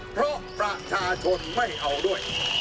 เพราะประชาชนไม่เอาด้วย